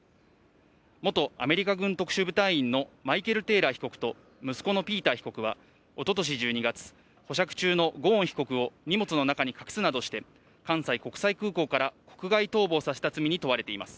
元アメリカ軍特殊部隊員のマイケル・テイラー被告と息子のピーター被告はおととし１２月、保釈中のゴーン被告を荷物の中に隠すなどして、関西国際空港から国外逃亡させた罪に問われています。